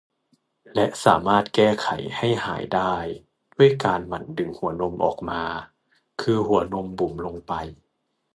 และสามารถแก้ไขให้หายได้ด้วยการหมั่นดึงหัวนมออกมา คือหัวนมบุ๋มลงไป